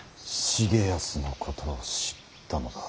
重保のことを知ったのだ。